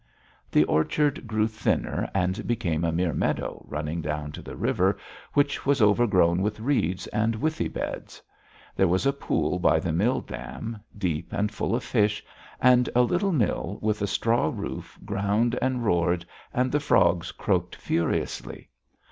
The orchard grew thinner and became a mere meadow running down to the river, which was overgrown with reeds and withy beds. There was a pool by the mill dam, deep and full of fish, and a little mill with a straw roof ground and roared, and the frogs croaked furiously.